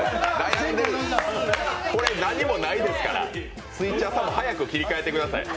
何もないですから、スイッチャーさん早く切り替えてください。